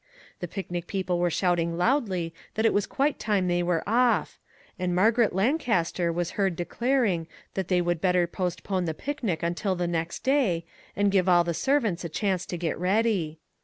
The picnic people were shouting loudly that it was quite time they were off; and Margaret Lan caster was heard declaring that they would bet ter postpone the picnic until the next day, and give all the servants a chance to get ready.